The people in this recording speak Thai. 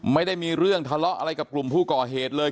ไม่ได้มีเรื่องทะเลาะอะไรกับกลุ่มผู้ก่อเหตุเลย